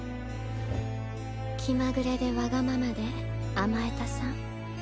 気まぐれでわがままで甘えたさん